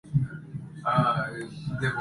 Es enviado a Scapa Flow.